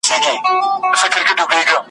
بې شر ا بو به مستي سي را نازله